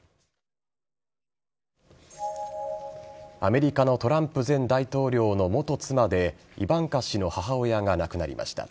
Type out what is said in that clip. アメリカのトランプ前大統領の元妻でイバンカ氏の母親が亡くなりました。